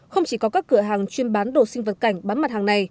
không chỉ có các cửa hàng chuyên bán đồ sinh vật cảnh bán mặt hàng này